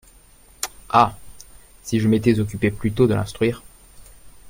Ah ! si je m’étais occupé plus tôt de l’instruire !